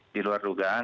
di luar dugaan